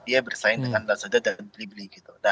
dia bersaing dengan lazada dan blibli gitu